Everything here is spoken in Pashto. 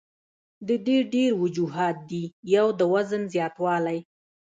د دې ډېر وجوهات دي يو د وزن زياتوالے ،